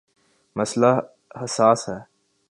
مسئلہ حساس ہے۔